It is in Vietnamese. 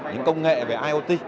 những công nghệ về iot